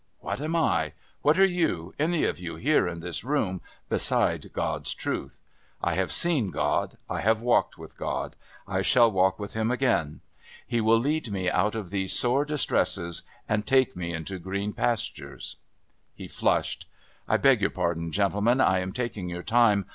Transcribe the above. What am I? What are you, any of you here in this room, beside God's truth? I have seen God, I have walked with God, I shall walk with Him again. He will lead me out of these sore distresses and take me into green pastures " He flushed. "I beg your pardon, gentlemen. I am taking your time.